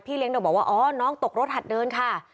เลี้ยเด็กบอกว่าอ๋อน้องตกรถหัดเดินค่ะ